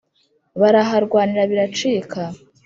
baraharwanira biracika.